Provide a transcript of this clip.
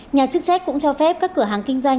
nhà chức trách cũng cho phép các cửa hàng kinh doanh